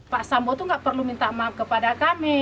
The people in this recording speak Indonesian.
pak sambo itu nggak perlu minta maaf kepada kami